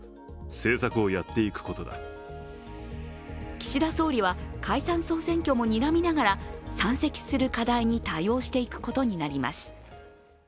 岸田総理は解散総選挙もにらみながら山積する課題に対応していくことになります。